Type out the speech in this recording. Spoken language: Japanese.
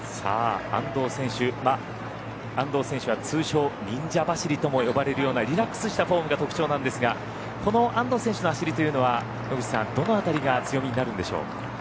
安藤選手は通称・忍者走りとも呼ばれるようなリラックスしたフォームが特徴なんですがこの安藤選手の走りというのは野口さんどの辺りが強みになるんでしょう？